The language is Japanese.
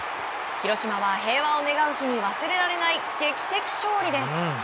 広島は、平和を願う日に忘れられない劇的勝利です。